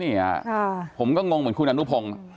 ผมก็งงเหมือนคุณอนุพงศ์